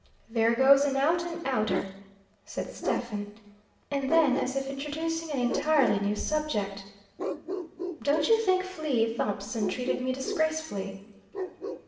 "There goes an out and outer," said Stephen; and then, as if introducing an entirely new subject "Don't you think Flea Thompson treated me disgracefully?"